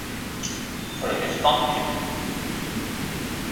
袁侃早卒。